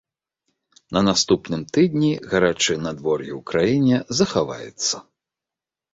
На наступным тыдні гарачае надвор'е ў краіне захаваецца.